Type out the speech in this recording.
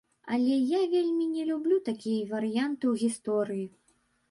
Але, я вельмі не люблю такія варыянты ў гісторыі.